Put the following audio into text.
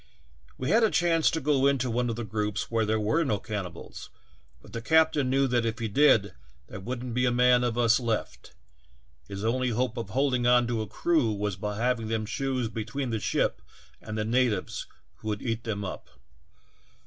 We had a chance to go into one of the groups where there were no cannibals, but the captain knew that if he did there would n't be a man of us left ; his only hope of holding on to a crew was by having them choose between the ship and the natives who would eat them up.